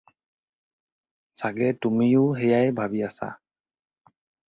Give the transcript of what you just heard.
চাগে তুমিও সেয়াই ভাবি আছা।